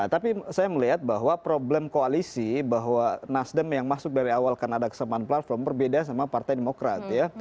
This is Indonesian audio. tapi saya melihat bahwa problem koalisi bahwa nasdem yang masuk dari awal karena ada kesamaan platform berbeda sama partai demokrat ya